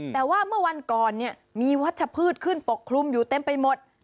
แต่ว่าเมื่อวันก่อนเนี่ยมีวัชพืชขึ้นปกคลุมอยู่เต็มไปหมด